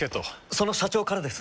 その社長からです。